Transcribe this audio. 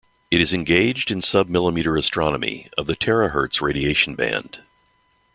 It is engaged in submillimetre astronomy, of the terahertz radiation band.